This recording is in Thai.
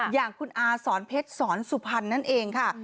อย่างคุณอาสอนเพชรสอนสุพรรณนั่นเองค่ะ